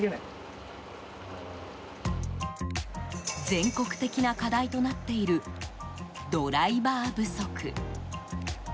全国的な課題となっているドライバー不足。